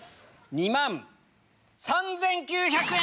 ２万３９００円！